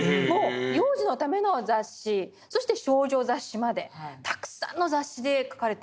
幼児のための雑誌そして少女雑誌までたくさんの雑誌で描かれている。